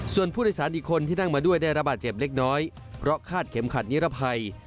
ส่วนผู้โดยสารอีกคนที่นั่งมาด้วยได้ระบาดเจ็บเล็กน้อยเพราะคาดเข็มขัดนิรภัย